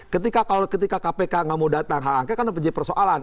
ketika kalau ketika kpk tidak mau datang h angket kan ada persoalan